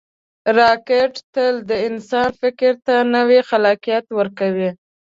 راکټ تل د انسان فکر ته نوی خلاقیت ورکوي